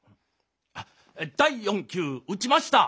あ第４球打ちました！